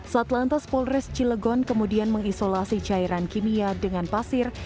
satlantas polres cilegon kemudian mengisolasi cairan kimia dengan pasir